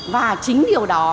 và chính điều đó